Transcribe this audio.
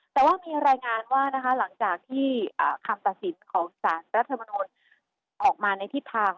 แต่ว่ามีรายงานว่านะคะหลังจากที่คำตัดสินของสารรัฐมนุนออกมาในทิศทาง